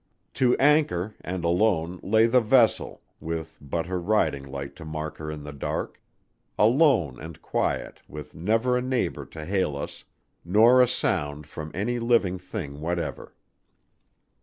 To anchor, and alone, lay the vessel, with but her riding light to mark her in the dark; alone and quiet, with never a neighbor to hail us, nor a sound from any living thing whatever.